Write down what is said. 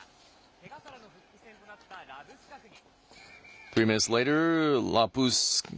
けがからの復帰戦となったラブスカフニ。